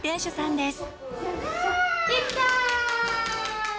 できた！